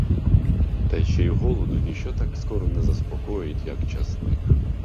Та ще й голоду ніщо так скоро не заспокоїть, як часник.